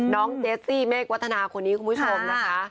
เจสซี่เมฆวัฒนาคนนี้คุณผู้ชมนะคะ